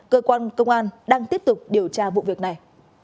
cơ quan công an đang tiếp tục điều tra vụ việc này